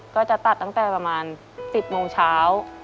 ก็จะตัดตั้งแต่ประมาณ๑๐โมงเช้า